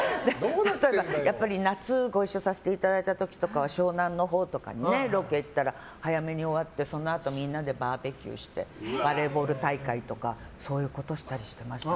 やっぱり、夏ご一緒させていただいた時とかは湘南のほうとかにロケに行ったら早めに終わってそのあとみんなでバーベキューしてバレーボール大会とかしたりしてましたね。